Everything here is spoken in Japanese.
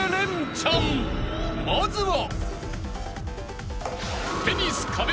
［まずは］